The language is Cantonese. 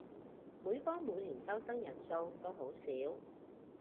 每科每年收生人數都好少